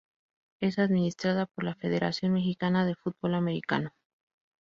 Es administrada por la Federación Mexicana de Fútbol Americano.